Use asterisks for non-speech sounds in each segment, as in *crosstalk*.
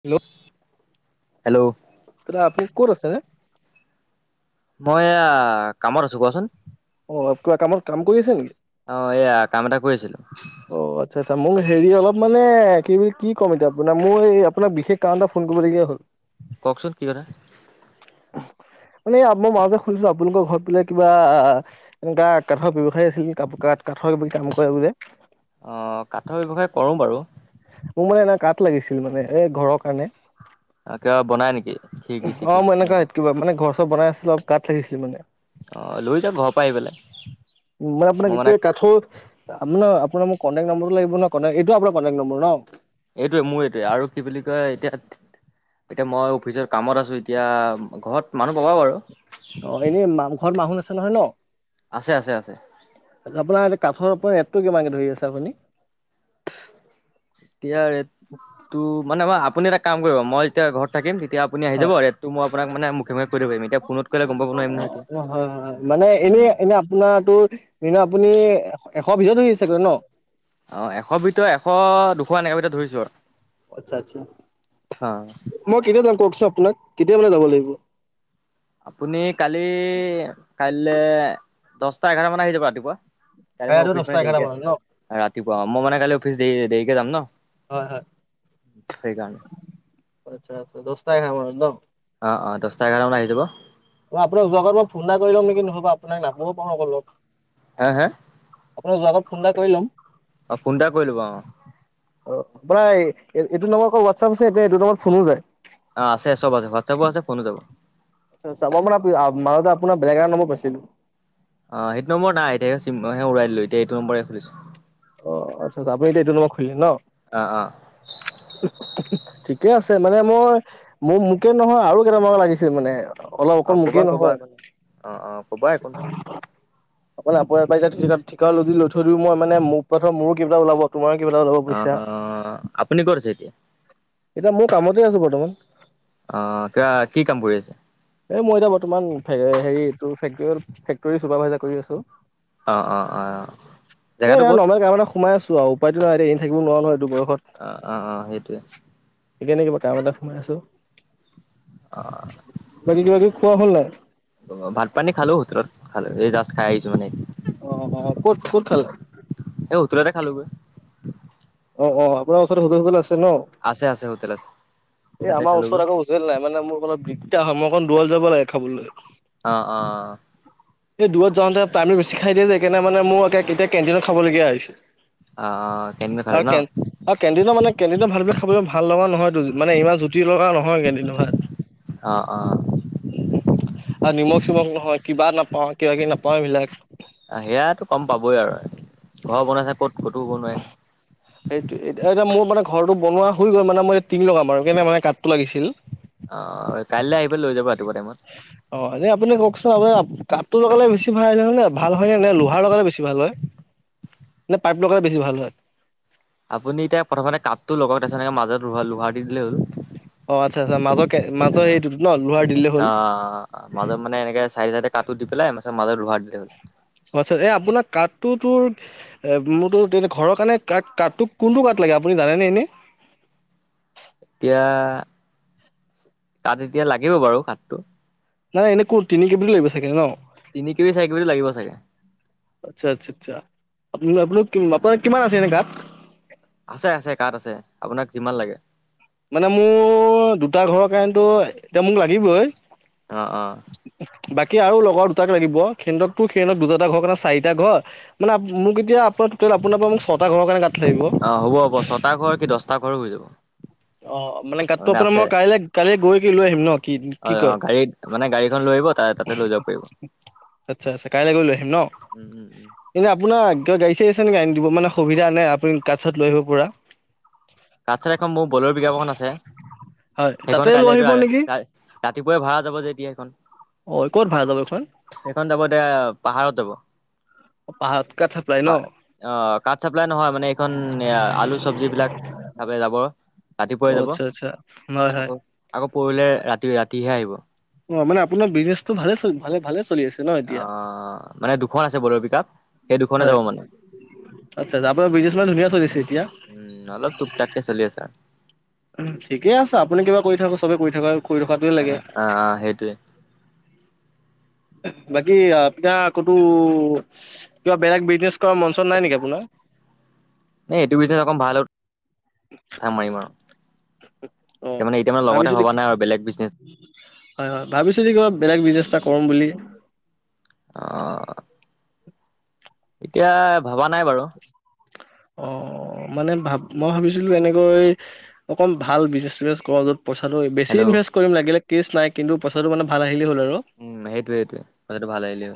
Hello hello দাদা আপুনি ক'ত আছে? মই এয়া কামত আছোঁ কোৱাচোন। অ কিবা কামত কাম কৰি আছে নেকি অ', এয়া কাম এটা কৰি আছিলোঁ। অ', আচ্ছা আচ্ছা হেৰি অলপ মানে কি বুলি কি ক'ম এতিয়া আপোনাৰ আপোনাৰ বিশেষ কাৰণ এটা ফোন কৰিবলগীয়া হ'ল। কওকচোন। মানে মই মাজতে শুনিছিলো আপোনালোকৰ ঘৰত বোলে কিবা এনেকুৱা কাঠৰ ব্যৱসায় আছিল কাঠ-কাঠ-কাঠৰ কিবা কিবি কাম কৰে বোলে। অ কাঠৰ ব্যৱসায় কৰো বাৰু মোক মানে এনে কাঠ লাগিছিল মানে এ ঘৰৰ কাৰণে কিবা বনাই নেকি খিৰিকি অ চিকি মই এনেকে এনেকুৱাৱে কিবা মানে ঘৰ চৰ বনাই আছিলো কাঠ লাগিছিল মানে অ লৈ যাব ঘৰৰ পৰা আহি পেলাই মানে আপোনাক এতিয়া কাঠৰ আপোনা-আপোনা মোক কণ্টেক্ট নম্বৰটো লাগিব ন এইটো আপোনাৰ কণ্টেক নম্বৰ ন? এইটোৱে মোৰ এইটোৱে আৰু কি বুলি কয় এতিয়া এতিয়া মই অফিচৰ কামত আছো এতিয়া ঘৰত মানুহ পাবা বাৰু অ এনেই ঘৰত মানুহ আছে নহয় ন? আছে আছে আছে। আপোনাৰ এতিয়া কাঠৰ ওপৰত ৰেতটো কিমানকে ধৰি আছে আপুনি? এতিয়া ৰেটতো মানে মই আপুনি এটা কাম কৰিব মই যেতিয়া ঘৰত থাকিম তেতিয়া আপ আপুনি আহি হয়। যাব ৰেটতো মই আপোনাক মানে মুখে মুখে কৈ দিব পাৰিম এতিয়া ফোনত কৰিলে গম পাব নোৱাৰিম নহয় এতিয়া অ', হয়, হয়, মানে এনেই উম এনে আপোনাৰতো এনে আপুনি এশ ভিতৰত ধৰিছে চাগৈ ন? অ এশৰ ভিতৰত এশ দুশ এনেকে ভিতৰত ধৰিছো আৰু আচ্ছা আচ্ছা। অ মই কেতিয়া যাম কওকচোন আপোনাক কেতিয়া মানে যাব লাগিব? আপুনি কালি কাইলে দহটা এঘাৰটামানত আহি যাব ৰাতিপুৱা কাইলে কাইলৈ মই ৰাতি অফিচ দহটা মানে এঘাৰটা দেৰিকে মানত আছে ন? ৰাতিপুৱা অ মই মানে কাইলে অফিচ দেৰি-দেৰিকে যাম ন? হয় হয়। সেইকাৰণে আচ্ছা আচ্ছা। দহটা এঘাৰটামানত ন? অ অ দহটা এঘাৰটামানত আহি যাব। মই আপোনাক যোৱা আগত মই ফোন এটা কৰি লম নিকি নহয়বা আপোনাক নাপাবও পাৰোঁ আকৌ ল'গ। হে হে আপোনাক যোৱা আগত ফোন এটা কৰি লম। অ ফোন এটা কৰি ল'ব অ অ আপোনাৰ এইটো নম্বৰত আকৌ হোৱাটছআপ আছে নে এইটো নম্বৰত ফোনো যায়? অ আছে চব আছে হোৱাটছাপো আছে ফোনো যাব। চাব মানে মাজতে আপোনাৰ বেলেগ এটা নম্বৰ পাইছিলো অ সেইটো নম্বৰ নাই এতিয়া চিম সেই ওৰাই দিলো এতিয়া এইটো নম্বৰে খুলিছো। অ আচ্ছা আচ্ছা আপুনি এতিয়া এইটো নম্বৰত খুলিলে ন? অ অ। *inaudible* ঠিকে আছে মানে মই মোৰ মোকে নহয় আৰু কেইটামানক লাগিছিল মানে অলপ অ অকল ক'বা মোকেই ক'বা নহয় একো নাই। অ অ ক'বা একো নাই অকল আপোনাৰ পৰাই ঠিকাও যদি লৈ থৈ দিও মই মানে মোৰ পৰা ধৰ মোৰো কিবা এটা ওলাব তোমাৰো কিবা এটা ওলাব অ পইছা। অ আপুনি ক'ত আছে এতিয়া এতিয়া মইও কামতে আছো বৰ্তমান অহ কোৱা কি কাম কৰি আছা? এ মই এতিয়া বৰ্তমান হেৰি তোৰ ফেক্টৰীয়াল ফেক্টৰী চুপাৰ ভাইজাৰ কৰি আছো। অ অ অ এ জেগাটো এনে ক'ত নৰ্মেল কাম এটাত সোমাই আছো আও উপাইটো নাই এতিয়া এনেটো থাকিব নোৱাৰো নহয় এইটো বয়সত। অ অ অ সেইটোৱে। সেই কাৰণে কিবা কাম এটাত সোমাই আছো। অহ। বাকী কিবাকিবি খোৱা হ'ল নাই? অ ভাত পানী খালো হোটেলত খালো এই জাষ্ট খাই আহিছো মানে। অ অ ক'ত ক'ত খালা? এ হোটেলতে খালোগৈ। অ', অ', আপোনাৰ ওচৰতে হোটেল *unintelligible* আছে ন? আছে, আছে, হোটেল আছে। এই তাতে আমাৰ খালোগৈ ওচৰত আকৌ হোটেল নাই, মানে মোৰ অলপ দিগদাৰ হয়, মই অকণ দুৰলে যাব লাগে খাবলৈ অ', অ'। এই দূৰত যাওঁতে *unintelligible* বেছি খাই দিয়ে যে সেকাৰণে মানে মোৰ *unintelligible* এতিয়া কেণ্টিনত খাবলগীয়া হৈছে। অ'। কেণ্টিনত খালে আৰু ন কেন আৰু কেণ্টিনৰ মানে কেণ্টিনৰ ভাতবিলাক খাবলে ভাল লগা নহয়টো মানে ইমান যু টি লগা নহয় কেণ্টিনৰ ভাত। অ অ আৰু নিমখ-চিমখ নহয়, কিবা নাপাওঁ, কিবা-কিবি নাপাওঁ এইবিলাক। অ', সেয়াতো কম পাবই আৰু ঘৰ *unintelligible* ক'ত, ক'তো *unintelligible* নহয়। সেইটোয়ে এতিয়া মোৰ মানে ঘৰটো বনোৱা হৈ গ'ল মানে মই এ টিং লগাম আৰু কেনে মানে কাটটো লাগিছিল। অ', কাইলৈ আহি পেল লৈ যাব ৰাতিপুৱা টাইমত। অ', এনেই আপুনি কওঁকচোন আপ কাঠটো লগালে বেছি ভাল হয় নে ভাল হয় নে, নে লোহাৰ লগালে বেছি ভাল হয়? নে পাইপ লগাই বেছি ভাল হয়? আপুনি এতিয়া প্ৰথমতে কাতটো লগাওঁক, তাৰছত এনেকে মাজত লোহা-লোহাৰ অ', আচ্ছা, আচ্ছা, মাজৰ কে মাজৰ *unintelligible* ন লোহাৰ দি দিলে হ'ল। অ', মাজত মানে এনেকে চাইডে চাইডে কাটটো দি পেলাই *unintelligible* মাজত লোহাৰ দি দিলে হ'ল। আচ্ছা, এ আপোনাৰ কাঠটো তোৰ এ মোৰতো তেনে ঘৰৰ কাৰণে কাট কাঠটো, কোনটো কাঠ লাগে আপুনি জানেনে এনেই? এতিয়া, কাঠ এতিয়া লাগিব বাৰু কাঠটো নাই এনে কো তিনি *unintelligible* লাগিব চাগে ন। তিনি কেবি, চাৰি কেবিটো লাগিব চাগে। আচ্ছা, আচ্ছা, আচ্ছা আপ আপোন আপোনাৰ কিমান আছে এনে কাঠ? আছে, আছে কাঠ আছে, আপোনাক যিমান লাগে। মানে মোৰ দুটা ঘৰৰ কাৰনেতো এতিয়া মোক লাগিবই। অ', অ'। বাকী আৰু লগৰ দুটাক লাগিব, খেন্দ্ৰতটো *unintelligible* দুটা দুটা ঘৰ কাৰণে চাৰিটা ঘৰ। মানে মোক এতিয়া আপোনাৰ টোটেল আপোনাৰ পৰা মোক ছটা ঘৰৰ কাৰনে অ', হ'ব, হ'ব। ছটা ঘৰ কি দছটা ঘৰো হৈ যাব। *inaudible* অ', মানে গাতটো আপোনাৰ মই কাইলে কাইলে গৈ কি লৈ আহিম ন কি, অ কি অ কয়? গাড়ীত মানে গাড়ীখন লৈ আহিব তা তাতে লৈ যাব পাৰিব। আচ্ছা, আচ্ছা, কাইলে গৈ লৈ আহিম ন? উম উম উম। এনে আপোনাৰ কিবা গাড়ী-চাড়ী আছে নেকি, আনি দিব মানে সুবিধা নে আপুনি কাঠ-চাঠ লৈ আহিব পৰা? কাঠ-চাঠ এখন মোৰ বলেৰ' পিকআপ এখন আছে হয় তাতে সেইখন লৈ কাইলেটো আহিব *unintelligible* নেকি ৰাতিপুৱাই ভাড়া যাব যে এতিয়া সেইখন। অ ক'ত ভাড়া যাব এইখন এইখন যাব এতিয়া, পাহাৰত যাব। পাহাৰত *unintelligible* অ', কাঠ চাপ্লাই নহয়, মানে এইখন আলু চব্জি বিলাক। *unintelligible* যাব অ ৰাতিপুৱাই যাব। আচ্ছা আচ্ছা হয় হয় আকৌ আকৌ পৰহিলে ৰাতি ৰাতিহে আহিব। অ', মানে আপোনাৰ বিজনেছটো ভালে চ ভালে, ভালে চলি আছে। ন এতিয়া অ', মানে দুখন আছে বলেৰো পিকাপ সেই দুখনে যাব মানে। আচ্ছ আপোনাৰ বিনেছ মানে ধুনীয়া চলিছে এতিয়া? উম অলপ তোক টাক কে চলি আছে আ। উ ঠিকে আছে আপুনি কিবা কৰি থাকক চবে কৰি থাকক আ আ সেইটোৱে। বাকী আপা *inaudible* কতো কিবা বেলেগ বিজনেছ কৰাৰ মঞ্চন নাই নেকি আপোনাৰ? নে এইটো বিচুইনেছ অকণ ভাল থা মাৰিম আৰু। অ তাৰ মানে এতিয়া মানে লগতে ভাবিছিলি ভবা নাই আৰু বেলেগ বিজনেছ হয় হয় ভাবিছো যে ক বেলেগ বিজনেজ এটা কৰম বুলি। অ এতিয়া ভবা নাই বাৰু। অহ। অ মানে ভাব মই ভাবিছিলো এনেকৈ অকমান ভাল বুইছনেচ চিনেজ কৰ যত পইচাটো বেছি হেল্ল' ইনভেষ্ট কৰিম লাগিলে কেছ নাই কিন্তুইচাটো মানে ভাল আহিলেই হ'ল আৰু। উম সেইটোৱে সেইটোৱে পইছাটো ভাল আহিলে।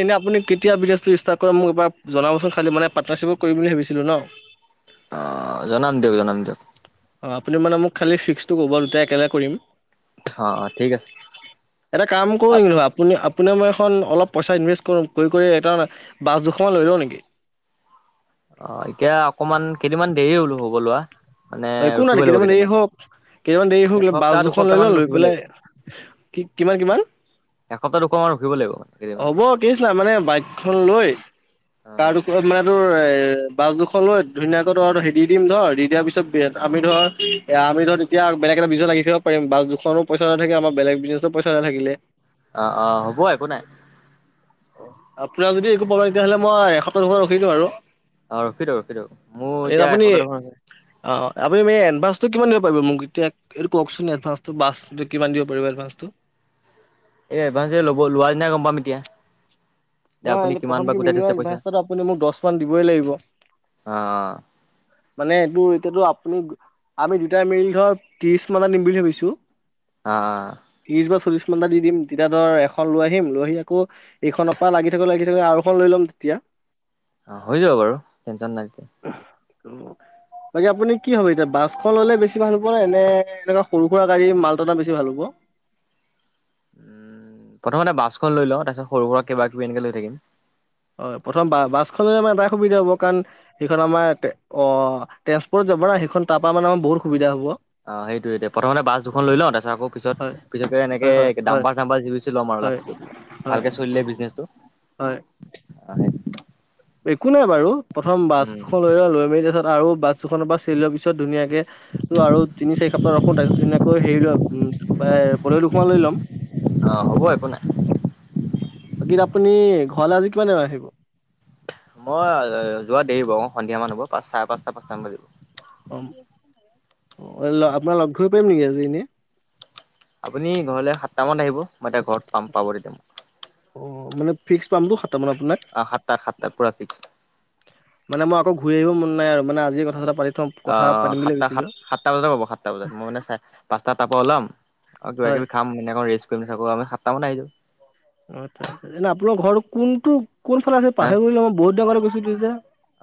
এনে আপুনি কেতিয়া বিজনেছটো ষ্টাৰ্ট কৰে মোক এবাৰ জনাবচোন, খালি মান পাটনাৰশ্বিপত কৰিম বুলি ভাবিছিলোঁ ন। *inaudible* অ জনাম দিয়ক জনাম দিয়ক। অঁ আপুনি মানে খালী ফিক্সটো ক'ব দুটাই একেলগ কৰিম। অ অ ঠিক আছে। এটা কাম কৰো যেনিবা আপুনি আপুনি মই এখন পইচা ইনভেষ্ট কৰো কৰি কৰি এটা বাচ দুশমান লৈ লওঁ নেকি? অ এতিয়া অকমান কেইদিনমান দেৰি হ'লো হব লোৱা। মানে অ একো ৰখিব নাই লাগিব কেইদামান দেৰি কেইদিনমান হওক কেইদামান দেৰি হওক বোলে বাছ এসপ্তাহ দুখন দুসপ্তাহ লৈ মান লওঁ, লৈ ৰখিব লাগিব পেলাই কি কিমান কিমান? এসপ্তাহ দুসপ্তাহ মান ৰখিব লাগিব মানে কেইদিনমান হ'ব কেছবাই মানে বাইকখন লৈ অ তাৰ মানে তোৰ এ বাছ দুোখন লৈ ধুনীয়াকৈ ত হেৰি দিম ধ দি দিয়াৰ পিছত আমি ধৰ এয়া আমি ধৰ তেতিয়া বেলেগ বিইছনেছত লাগি থাকিব পাৰি, বাছ দুখনো পইচা নাথাকে আমাৰ বেলেগ বিজ টো পইচা নাথাকিলে। অ অ হ'ব একো নাই। অহ আপোনাৰ যদি একো পাব তেতিয়াহ'লে মই এসপ্তৰ দুশৰত ৰখি দিওঁ আৰু। অ ৰখি থ ৰখি থ, মোৰ এতিয়া *inaudible* অঁ অঁ আপুনি মানে এডভাঞ্চটো কিমান দিব পাৰিব মোক এতিয়া। এইটো কওকচোন এডভান্টো বাচ কিমান দিব পাৰিব। এই এডভাঞ্চটো লব লোৱাৰ দিনাই পাম এতিয়া। এতিয়া আপুনি নহয় কিমান প্ৰথম বা গোটাই মিনিমাম থৈছে পইচা এডভাস আপুনি মোক দহ মান দিবই লাগিব। অ মানে এইটো এতিয়াতো আপুনি আমি দুটাই মিল ধৰ ত্ৰিশ মানত দিম বুলি ভাবিছো। হা হা। ত্ৰিশ বা চল্লিশ মন্টা দি দিম তেতিয়া ধৰ এখন লৈ আহিম, আহি আকৌ এইখন বা লাগি থাকোঁ লাগি থাকোঁ আৰু এখন লৈ ল'ম তেতিয়া। হৈ যাব বাৰু তেনচন নাই তেতিয়া। টো বাকী আপুনি কি হ'ব এতিয়া বাছখন ল'লে বেছি ভাল হ'ব এনে সৰু সুৰা গাড়ী মালতা বেছি ভাল হ'ব। উম প্ৰথমতে বাছখন লৈ লওঁ তাৰপিছত সৰু সুৰা কিবা কিবি এনেকে লৈ থাকিম। হয় প্ৰথম বা বাছখনলৈ আমাৰ এটাই সুবিধা হ'ব কাৰণ সেইখন আমাৰ অ ট্ৰেন্সপৰ্টত যাব না সেইখন তাপা মানে আমাৰ বহুত সুবিধা হব। অ সেইটোৱে প্ৰথমতে বাছ দুখন লৈ লওঁ তাৰপিছত আকৌ হয় তাৰপিছত। পিছতকে হয় হয় এনেকে হয় ডাম্পাৰ চাম্পাৰ জি চিপি লম আও হয় লাষ্টত গৈ পেলাই হয় ভালকে চলিলে বিজনেচটো হয় হয় একো নাই বাৰু প্ৰথম বাছখন লৈ লও লৈ মেলি তাৰপিছত আৰু বাছ দুখনৰ পৰা চলি লোৱাৰ পিছত ধুনীয়াকে। ত' আৰু তিনি চাৰি সপ্তাহ ৰখো তাৰপিছত ধুনীয়াকৈ হেৰি লম এ বলেৰো দুখন লৈ ল'ম। অ হ'ব একো নাই। বাকী আপুনি ঘৰলে আজি কিমান টাইমত আহিব। মই যোৱা দেৰি হব মোৰ সন্ধিয়া মান হ'ব। পাঁ চাৰে পাঁচটা পাঁচটান বাজিব। অ অ আপোনাক লগ ধৰিব পাৰিম নেকি আজি এনেই আপুনি ঘৰলে সাতটামানত আহিব মই তেতিয়া ঘৰত পাম পাব তেতিয়া মোক অহ মানে ফিক্স পামতো সাতটামানত আপোনাক অহ সাতটা সাতটাত পুৰা ফিক্স মানে মই আকৌ ঘূৰি আহিব মন নাই আৰু মানে আজিয়ে কথা চথা পাতি থওঁ কথা আহ পাতিম বুলি সাতটা সাত ভাবিছিলোঁ সাতটা বজাত পাব সাতটা বজাত মই মানে চাই পাঁচটাৰ তাৰ পৰা ওলাম আৰু কিবা হয় কিবি খাম মানে ৰেষ্ট কৰি থাকো আপুনি সাতটামানত আহি যাব আচ্ছা আচ্ছা এনে আপোনাৰ ঘৰ কোনটো কোন ফালে আছিল পাহৰি গলো মই বহুত দিনৰ আগতে গৈছিলো যে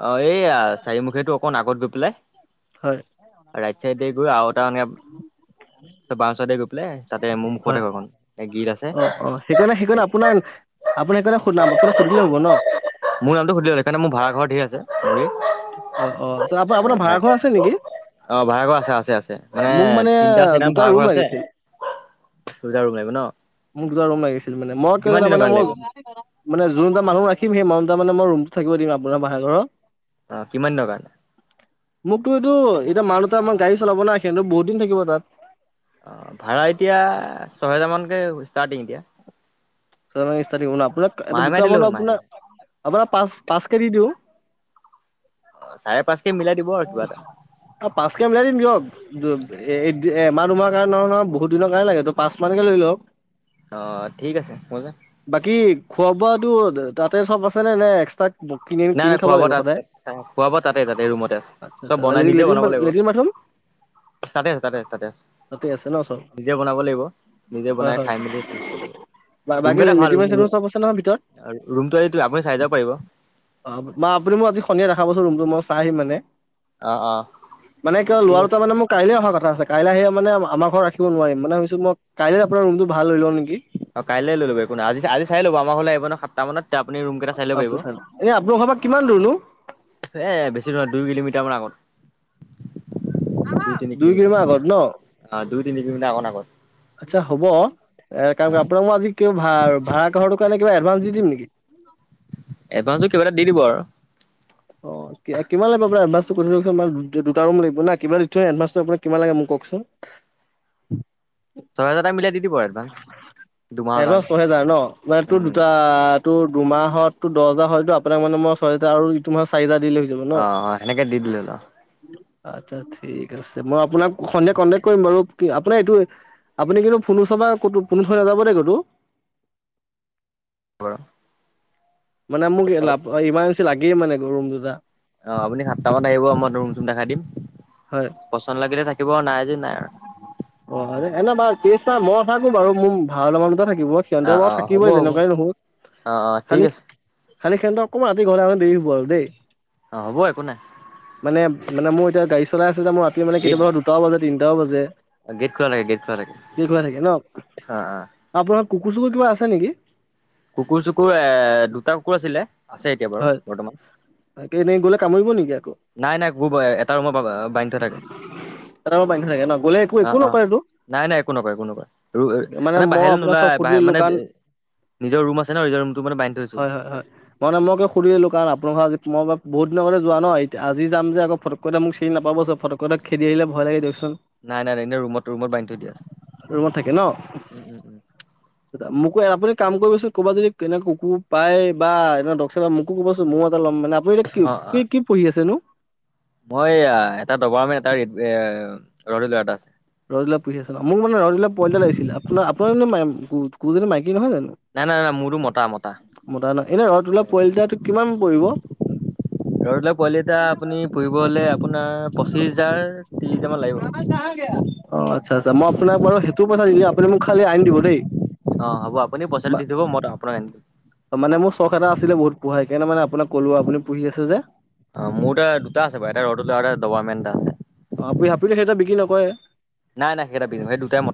অহ এইয়া চাৰিমুখিয়াটোৰ অকণ আগত গৈ পেলাই হয় ৰাইট চাইডে গৈ আৰু এটা এনেকে বাওঁ চাইডে গৈ পলাই তাতে মু মুখতে হয় ঘৰখন এ গীল আছে অ অ সেইকাৰণে সেইকাৰণে আপোনাৰ আপোনাৰ সেইকাৰণে সুধাম আপোনাক সুধিলে হ'ব ন মোৰ নামটো সুধি ল'লে সেইকাৰণে মোৰ ভাড়া ঘৰ ধেৰ আছে মোৰে অ অ আচ্ছা আপোনাৰ ভাড়া ঘৰ আছে নেকি অহ ভাড়াঘৰ আছে আছে আছে মানে তিনটা চাৰিটা মান দুটা ৰুম ভাড়াঘৰ আছে লাগিছিল দুটা ৰুম লাগিব ন মোক দুটা ৰুম লাগিছিল মানে মই কিয় কিমান জানা দিনৰ মানে কাৰণে মোৰ লাগিব মানে যোন দুটা মানুহ ৰাখিম সেই মানুহ দুটা মানে মই ৰুমতো থাকিব দিম আপোনাৰ ভাড়া ঘৰত অ কিমান দিনৰ কাৰণে মোকতো এইটো এতিয়া মানুহ দুটা আমাৰ গাড়ী চালাব না সিহঁতে বহুত দিন থাকিব তাত অ ভাড়া এতিয়া ছহেজাৰমানকে ষ্টাৰ্টিং এতিয়া ছয় হেজাৰ পৰা ষ্টাটিং হব ন আপোনাক এটা মাহে মাহে দিলে হ'ল মাহে দুটামানুহ পাঁচ পাঁচ কে দি দিওঁ অ চাৰে পাঁচ কে মিলাই দিব আৰু কিবা এটা অ পাঁচকে মিলাই দিম দিয়ক এইটো এ এমাহ দুমাহৰ কাৰণে নহয় ন বহুত দিনৰ কাৰণে লাগেতো পাঁচ মানকে লৈ লওক অ ঠিক আছে গম পাইছে বাকী খোৱা বোৱাটো তাতে চব আছে নে নে এক্সট্ৰা কিনি নাই কিনি নাই খাব খোৱা বোৱা লাগিব তাত সদায় খোৱা বোৱা তাতে তাতে ৰুমতে আছে আচ্ছা চব আচ্ছা বনাই লে নিজে লেটিন বনাব লাগিব লেটিন বাথৰুম তাতে আছে তাতে আছে তাতে আছে তাতে আছে ন চব নিজে বনাব লাগিব নিজে হয় বনাই হয় খাই মেলি থাকিব পৰা যাব ৰুম বাকী কেইটা ভাল লেট্ৰিন ৰুম ৰু বাথৰুম চব আছে নহয় ভিতৰত? ৰুমটো এইটো আপুনি চাই যাব পাৰিব অ বা আপুনি মোক আজি সন্ধিয়া দেখাবচোন ৰুমটো মই চাই আহিম মানে অ অ মানে কিবা ঠিক লৰা আছে দুটাৰ মানে মোক কাইলে অহা কথা আছে কাইলে আহে মানে আমাৰ ঘৰত ৰাখিব নোৱাৰিম মানে ভাবিছো মই কাইলে আপোনাৰ ৰুমটো ভাড়া লৈ লওঁ নেকি অহ কাইলে লৈ ল'বি একো নাই আজি আজি চাই লবা' আমাৰ ঘৰলে আহিব নহয় সাতটা মানত তেতিয়া আপুনি ৰুম কেইটা চাই লব পাৰিব এনেই আপোনাৰ ঘৰ পৰা কিমান দূৰ নো এই বেছি নহয় দুই কিলোমিটাৰ মান আগত। দুই তিনি কিলোমিটাৰ, অ' দুই তিনি কিলোমিটাৰ আগত আগত। আচ্ছা হ'ব এ, কাম অ আপোনাক মই আজি ভা-ভাড়া ঘৰৰ কাৰণে কিবা এডভাঞ্চ দি দিম নেকি? এডভাঞ্চটো কিবা এটা দি দিব আৰু। অ'। কিমান লাগবো আপোনাক এডভাঞ্চটো কৰি দুটা ৰুম লাগিব না, কিবা দি থৈ এডভাঞ্চটো আপোনাক কিমান লাগে মোক কওকচোন। ছহেজাৰ এটা মিলাই দি দিব আৰু। এডভান্স দুমাহৰ কাৰণে এডভানঞ্চ ছহেজাৰ ন' মানে তোৰ উম দুটা টো দুমাহত তোৰ দহ হাজাৰ হয়তো আপোনাক মানে মই ছয় হাজাৰ আৰু ইটো মহৰ চাৰি হাজাৰ দিলে যাব ন অ', অ' সেনেকে দি দিলে হ'ল অ'। *inaudible* ঠিক আছে, মই আপোনাক সন্ধিয়া কন্টেক্ট কৰিম বাৰু কি আপোনাৰ এইটো আপুনি কিন্তু ফোন *unintelligible* নাযাব দে ক'তো। বাৰু। মানে মোক লাভ ইমাৰজেঞ্চি লাগেই মানে ৰুম দুটা। অ' আপুনি সাতটামানত আহিব মই ৰুম চুম দেখাই দিম, হয় পচন্দ লাগিলে থাকিব আৰু নাই যদি নাই আৰু। অ' এনে বাৰু কেছ নাই, মই নাথাকোঁ বাৰু, মোৰ ভাড়া লোৱা মানুহ দুটা থাকিব। অ সিহন্তে অ বাৰু হ'ব থাকিবই হ'ব যেনেকুৱাই নহওক অ অ ঠিক খালি আছে খালি সিহন্তৰ অকমান ৰাতি ঘৰলে আহোতে দেৰি হ'ব আৰু দেই। অ' হ'ব একো নাই। মানে মানে মোৰ এতিয়া গাড়ী চলাই আছোঁ যে মোৰ ৰাতি মানে গেট কেতিয়াবা হয় দুটাও বাজে তিনিটাও বাজে। গেট খোলা থাকে গেট খোলা থাকে *unintelligible* থাকে ন' অ অ আপোনাৰ কুকুৰ চুকুৰ কিবা আছে নেকি? কুকুৰ চুকুৰ এ, দুটা কুকুৰ আছিলে, আছে এতিয়া বাৰু বৰ্তমান। তাকে এনেই গ'লে কামুৰিব নেকি আকৌ? নাই নাই। *unintelligible* এটা *unintelligible* গ'লে একো অ একো অ নকৰেতো? নাই নাই একো নকৰে একো নকৰে, মানে মই বাহিৰলে আপোনাৰ চব নোলায় সুধি বাহিৰলে দিলো মানে কাৰণ নিজৰ ৰুম আছে ন' নিজৰ ৰুমটোত মানে বান্ধি থৈছোঁ তাক। মই ন' মই সুধিলোঁ কাৰণ আপোনালোকৰ আ, মই বহুত দিনৰ আগতে যোৱা ন' আজি যাম যে মোক ফটককে চিনি চিনি নাপাব চাব, ফটককে তাক খেদি আহিলে ভয় লাগে দিয়কচোন। নাই নাই নাই এনে ৰুমত ৰুমত বান্ধি থৈ দিয়া আছে। ৰুমত থাকে ন। উম, উম, উম। মোকো আপুনি কাম কৰিবচোন ক'ৰবাত যদি কেনে কুকুৰ পায় বা এনে *unintelligible* মোক কবচোন ময়ো এটা ল'ম, মানে আপুনি এতিয়া অ অ কি কি পুহি আছেনো? মই আ, এটা দবাৰমেন এটা, এটা ৰেদ এ, ৰহুইলাৰ এটা আছে। ৰদহুইলাৰ পুহি আছে ন' মোক মানে ৰদহুইলাৰৰ পোৱালি এটা লাগিছিল, আপোনাৰ, আপোনাৰ কুকুৰজনী মাইকী নহয় জানো? নাই নাই নাই মোৰতো মতা মতা মতা ন' এনে ৰদহুইলাৰ পোৱালি এটা কিমান পৰিব? ৰদহুইলাৰ পোৱালি এটা আপুনি পুহিব হ'লে আপোনাৰ পঁচিছ হাজাৰ ত্ৰিশ হাজাৰ মান লাগিব। অ' আচ্ছা আচ্ছা মই আপোনাক বাৰু সেইটো পইচা দি দিম আপুনি মোক খালি আনি দিব দেই। অ' হ'ব আপুনি পইচাটো দি দিব মই আপোনাক আনি দিম। মানে মোৰ চখ এটা আছিলে বহুত পোহা সেইকাৰণে মানে আপোনাক ক'লো আপুনি পুহি আছে যে। অ' মোৰ এতিয়া দুটা আছে বাৰু এটা ৰদহুইলাৰ, এটা দবাৰমেন এটা আছে। অ' আপুনি সেইটো বিক্ৰী নকৰে। নাই নাই সেইকেইটা বিক্ৰী ন' সেই দুটাই মত